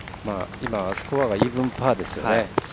今、スコアがイーブンパーですよね。